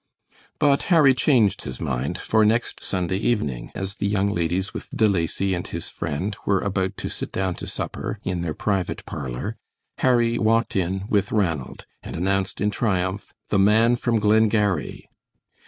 But Harry changed his mind, for next Sunday evening as the young ladies with De Lacy and his friend were about to sit down to supper in their private parlor, Harry walked in with Ranald, and announced in triumph: "The man from Glengarry!"